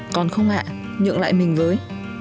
còn không ạ nhượng lại mình với